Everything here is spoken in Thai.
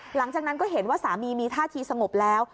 หลังจากนั้นก็เห็นว่าสามีมีท่าทีสงบแล้ว